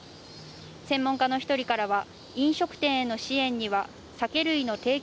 専門家の１人からは飲食店への支援には酒類の提供